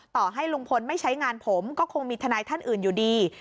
ต่อให้ลุงพลไม่ใช้งานผมก็คงมีทนายท่านอื่นอยู่ดี